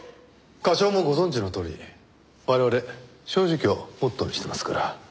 課長もご存じのとおり我々正直をモットーにしてますから。